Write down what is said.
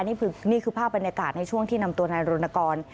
นี่คือภาพบรรยากาศในช่วงที่นำตัวนายรณกร